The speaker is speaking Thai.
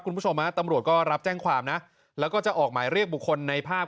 คุณผู้ชมฮะตำรวจก็รับแจ้งความนะแล้วก็จะออกหมายเรียกบุคคลในภาพ